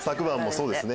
そうですね。